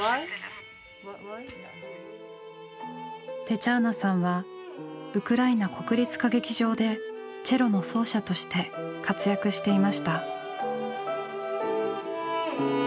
テチャーナさんはウクライナ国立歌劇場でチェロの奏者として活躍していました。